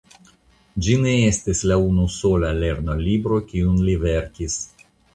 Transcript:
Ĝi ne estis la unusola lernolibro kiun li verkis.